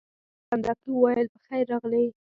هارون په خندا کې وویل: په خیر راغلې.